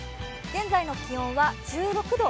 現在の気温は１６度。